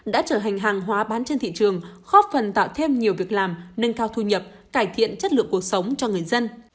đã trở thành hàng hóa bán trên thị trường góp phần tạo thêm nhiều việc làm nâng cao thu nhập cải thiện chất lượng cuộc sống cho người dân